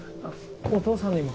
お義父さんにも。